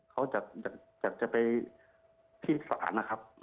เขาอยากจะไปพี่สตระนะครับ